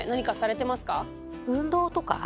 運動とか？